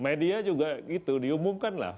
media juga itu diumumkanlah